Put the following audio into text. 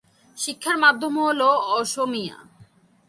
শিক্ষার মাধ্যম হল অসমীয়া।